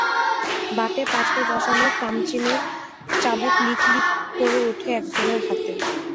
বাঁটে পাথর বসানো কামচিনের চাবুক লিক লিক করে ওঠে একজনের হাতে।